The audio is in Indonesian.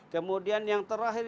kemudian yang terakhir